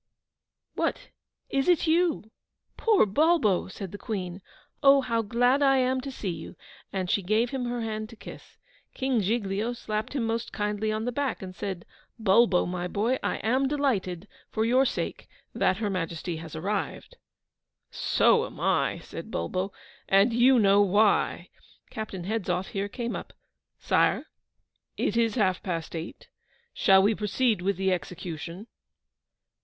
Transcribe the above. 'What, is it you? poor Bulbo!' said the Queen.' Oh, how glad I am to see you,' and she gave him her hand to kiss. King Giglio slapped him most kindly on the back, and said, 'Bulbo, my boy, I am delighted, for your sake, that Her Majesty has arrived.' 'So am I,' said Bulbo; 'and YOU KNOW WHY.' Captain Hedzoff here came up. 'Sire, it is half past eight: shall we proceed with the execution?